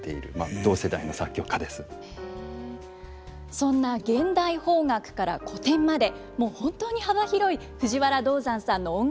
そんな現代邦楽から古典まで本当に幅広い藤原道山さんの音楽